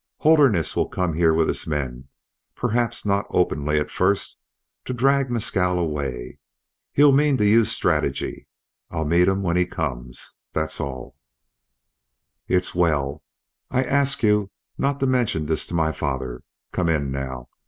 Holderness will come here with his men, perhaps not openly at first, to drag Mescal away. He'll mean to use strategy. I'll meet him when he comes that's all." "It's well. I ask you not to mention this to my father. Come in, now.